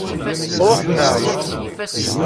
Ṛuḥen-aɣ.